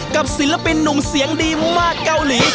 ศิลปินหนุ่มเสียงดีมากเกาหลี